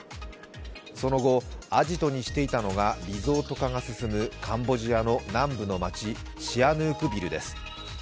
その後、アジトにしていたのがリゾート化が進むカンボジアの南部の街、シアヌークビルです。